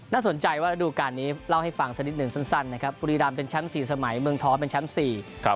น่าสนใจว่าระดูการนี้เล่าให้ฟังสักนิดหนึ่งสั้นนะครับบุรีรำเป็นแชมป์สี่สมัยเมืองท้องเป็นแชมป์สี่ครับ